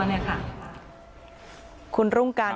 เมื่อที่๔แล้ว